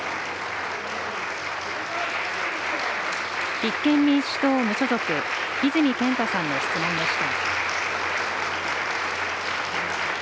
立憲民主党・無所属、泉健太さんの質問でした。